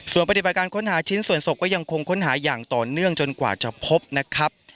ส่วนปฏิบัติการค้นหาชิ้นส่วนศพก็ยังคงค้นหาอย่างต่อเนื่องจนกว่าจะพบนะครับ